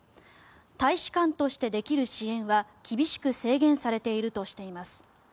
大使館としてできる支援は厳しく制限されているとしています。